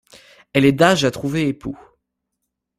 Elle est d’âge à trouver époux.